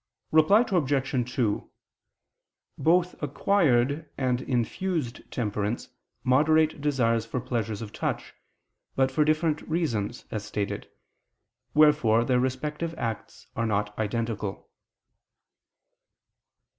Reply Obj. 2: Both acquired and infused temperance moderate desires for pleasures of touch, but for different reasons, as stated: wherefore their respective acts are not identical.